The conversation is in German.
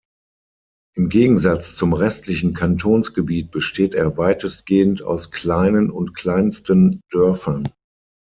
Im Gegensatz zum restlichen Kantonsgebiet besteht er weitestgehend aus kleinen und kleinsten Dörfern.